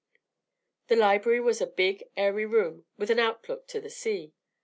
The library was a big, airy room, with an outlook to the sea.